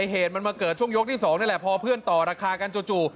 เหตุมันมาเกิดช่วงยกที่๒นี่แหละพอเพื่อนต่อราคากันจู่